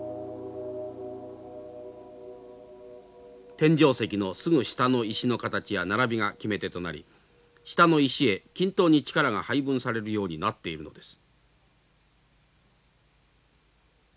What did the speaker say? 天井石のすぐ下の石の形や並びが決め手となり下の石へ均等に力が配分されるようになっているのです。